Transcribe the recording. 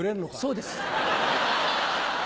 そうです。